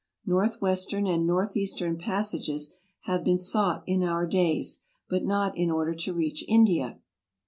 Northwest ern and northeastern passages have been sought in our days, but not in order to reach India.